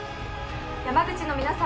山口の皆様